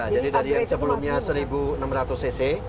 jadi dari yang sebelumnya seribu enam ratus cc